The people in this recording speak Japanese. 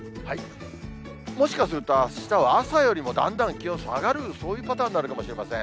もしかすると、あしたは朝よりもだんだん気温下がる、そういうパターンになるかもしれません。